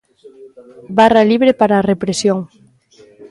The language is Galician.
Barra libre para a represión.